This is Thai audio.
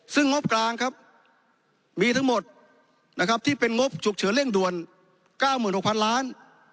ซึ่งงบกลางครับมีทั้งหมดนะครับที่เป็นงบฉุกเฉินเร่งด่วน๙๖๐๐๐ล้าน